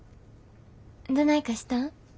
どないかしたん？